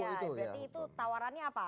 ya berarti itu tawarannya apa